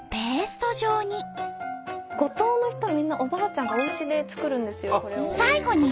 スタジオ五島の人はみんなおばあちゃんがおうちで作るんですよこれを。